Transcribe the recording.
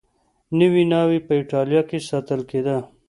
نوې ناوې په اېټالیا کې ساتل کېده.